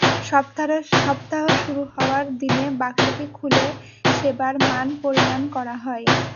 সপ্তাহ শুরু হওয়ার দিনে বাক্সটি খুলে সেবার মান পরিমাপ করা হয়।